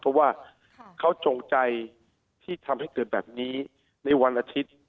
เพราะว่าเขาจงใจที่ทำให้เกิดแบบนี้ในวันอาทิตย์